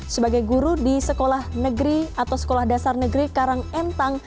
sebagai guru di sekolah negeri atau sekolah dasar negeri karangentang